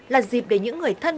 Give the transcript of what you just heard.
là dịp để những người thân